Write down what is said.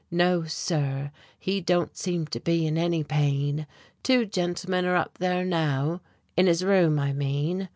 No, sir, he don't seem to be in any pain. Two gentlemen are up there now in his room, I mean."